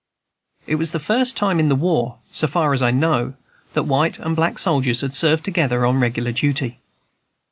It was the first time in the war (so far as I know) that white and black soldiers had served together on regular duty.